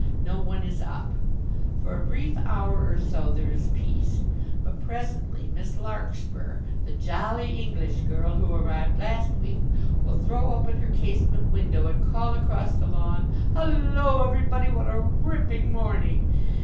No one is up. For a brief hour or so there is peace. But presently Miss Larkspur the jolly English girl who arrived last week will throw open her casement window and call across the lawn, "Hullo everybody! What a ripping morning!"